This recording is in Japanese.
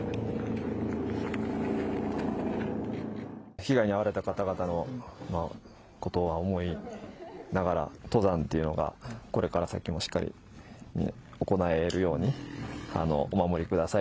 被害にあわれた方々のことは思いながら、登山というのがこれから先もしっかり行えるようにお守りください。